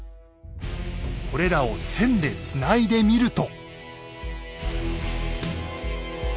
これらを線でつないでみると。